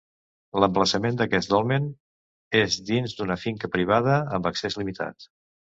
L'emplaçament d'aquest dolmen és dins d'una finca privada amb accés limitat.